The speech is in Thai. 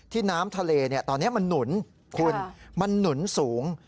น้ำทะเลตอนนี้มันหนุนคุณมันหนุนสูง